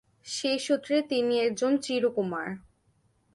সেই সুত্রে তিনি একজন চির কুমার।